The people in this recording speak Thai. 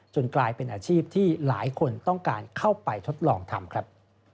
กลายเป็นอาชีพที่หลายคนต้องการเข้าไปทดลองทำครับ